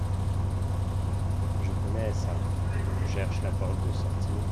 Je connais ça… on cherche la porte de sortie…